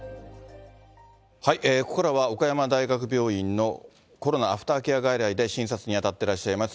ここからは岡山大学病院のコロナ・アフターケア外来で診察に当たっていらっしゃいます